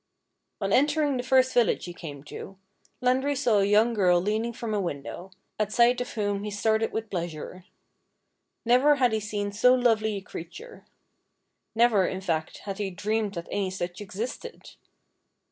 On entering the first village he came to, Landry saw a young girl leaning from a window, at sight of whom he started with pleasure. Never had he seen so lovely a creature. Never, in fact, had he dreamed that any such existed.